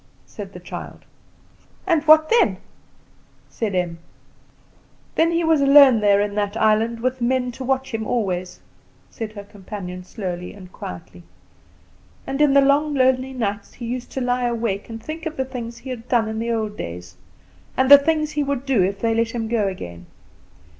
said the child. "And what then?" said Em. "Then he was alone there in that island with men to watch him always," said her companion, slowly and quietly. "And in the long lonely nights he used to lie awake and think of the things he had done in the old days, and the things he would do if they let him go again.